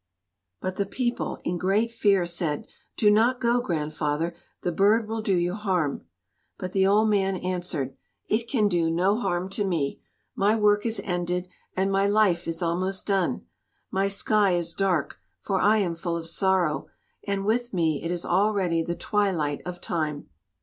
But the people, in great fear, said, "Do not go, Grandfather, the bird will do you harm." But the old man answered, "It can do no harm to me. My work is ended and my life is almost done. My sky is dark, for I am full of sorrow, and with me it is already the twilight of time.